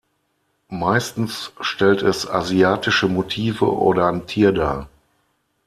Meistens stellt es asiatische Motive oder ein Tier dar.